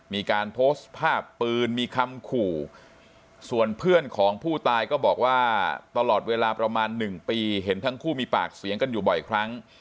มีการโพสต์ภาพปืนมีคำขู่ส่วนเพื่อนของผู้ตายก็บอกว่าตลอดเวลาประมาณ๑ปีเห็นทั้งคู่มีปากเสียงกันอยู่บ่อยครั้ง